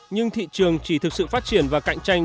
nhưng thị trường chỉ thực sự phát triển và cạnh tranh